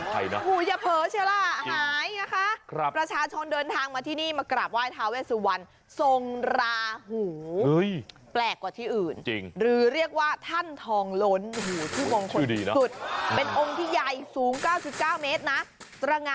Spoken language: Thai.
เท้าเวสวรรค์ทรงราหูหรือเท้าทองล้น